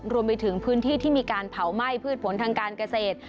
รวมไปถึงพื้นที่ที่มีการเผาไหม้พืชผลทางการเกษตร